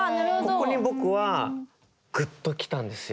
ここに僕はグッときたんですよ。